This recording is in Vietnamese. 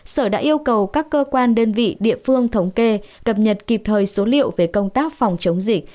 sở đã yêu cầu các cơ quan đơn vị địa phương thống kê cập nhật kịp thời số liệu về công tác phòng chống dịch